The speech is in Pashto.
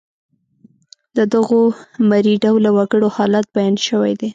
د دغو مري ډوله وګړو حالت بیان شوی دی.